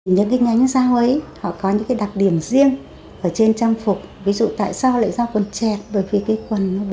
những cái ngánh giao ấy họ có những cái đặc điểm riêng ở trên trang phục ví dụ tại sao lại giao quần chẹt bởi vì cái quần nó bó lên chân